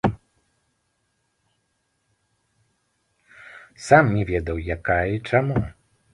Сам не ведаў, якая і чаму.